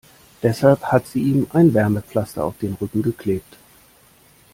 Deshalb hat sie ihm ein Wärmepflaster auf den Rücken geklebt.